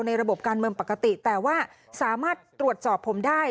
ระบบการเมืองปกติแต่ว่าสามารถตรวจสอบผมได้